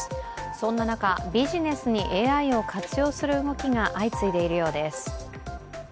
そんな中、ビジネスにＡＩを活用する動きが相次いでいるようです。